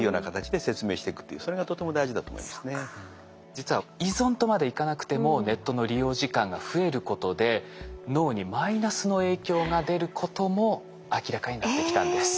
実は依存とまでいかなくてもネットの利用時間が増えることで脳にマイナスの影響が出ることも明らかになってきたんです。